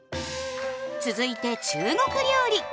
続いて中国料理。